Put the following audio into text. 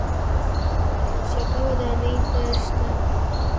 شګه ودانۍ ته شته.